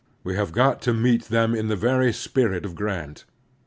We have got to meet them in the very Grant ^215 spirit of Grant.